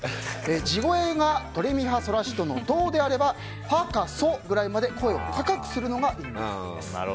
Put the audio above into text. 地声がドレミファソラシドのドであればファかソくらいまで声を高くするのがいいんだそうです。